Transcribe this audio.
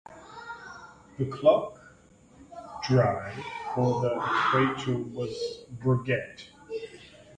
The clock drive for the equatorial was made by Breguet.